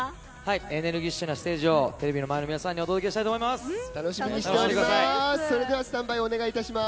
エネルギッシュなステージをテレビの前の皆さんに楽しみにしております。